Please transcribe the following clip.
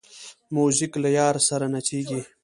موزیک له یار سره نڅېږي.